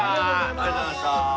ありがとうございます。